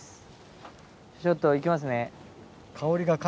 ちょっと行きますね。